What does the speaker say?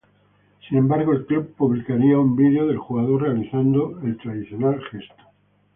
Sin embargo, el club publicaría un vídeo del jugador realizando el tradicional gesto.